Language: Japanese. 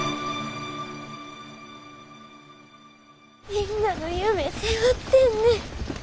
みんなの夢背負ってんねん。